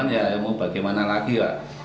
ya mau bagaimana lagi pak